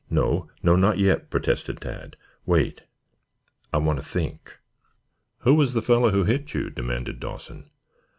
"No, no. Not yet," protested Tad. "Wait. I want to think." "Who was the fellow who hit you?" demanded Dawson.